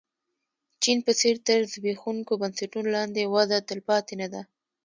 چین په څېر تر زبېښونکو بنسټونو لاندې وده تلپاتې نه ده.